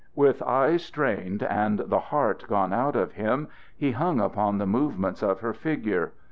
With eyes strained and the heart gone out of him he hung upon the movements of her figure.